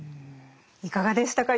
いかがでしたか？